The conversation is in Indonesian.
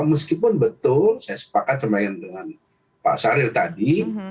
meskipun betul saya sepakat dengan pak syahril tadi